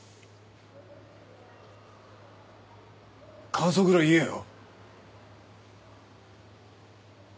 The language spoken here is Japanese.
感想ぐらい言えよ。